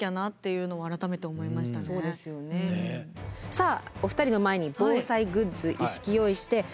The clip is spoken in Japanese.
さあお二人の前に防災グッズ一式用意して。